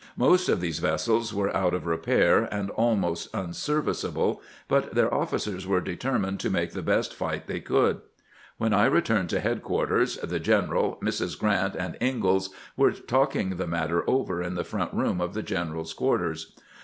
Most of these vessels were out of repair and almost unserviceable, but their officers were 378 CAMPAIGNING WITH GRANT determined to make the best fight they could. When I returned to headquarters, the general, Mrs. Grrant, and Ingalls were talking the matter over in the front room of the general's quarters.